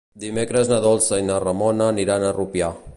Dimecres na Dolça i na Ramona aniran a Rupià.